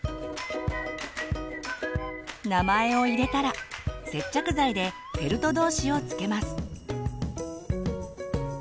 名前を入れたら接着剤でフェルト同士をつけます。